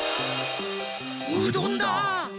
うどんだ！